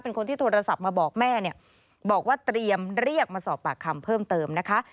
คนที่โทรศัพท์มาบอกแม่เนี่ยบอกว่าเตรียมเรียกมาสอบปากคำเพิ่มเติมนะคะ